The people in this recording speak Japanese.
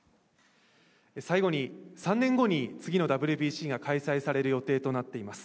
最後に、３年後に次のＷＢＣが開催される予定となっています。